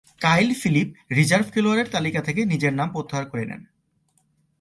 কাইল Philip reserve খেলোয়াড়ের তালিকা থেকে নিজের নাম প্রত্যাহার করে নেন।